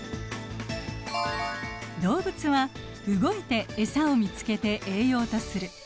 動物は動いてエサを見つけて栄養とする。